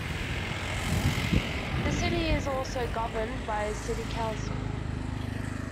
The city is also governed by a city council.